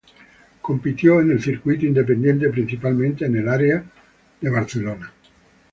Compitió en el circuito independiente, principalmente en área de Chicago.